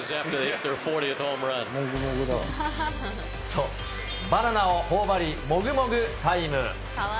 そう、バナナをほおばり、もぐもぐタイム。